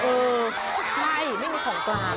เออใช่ไม่มีของกลาง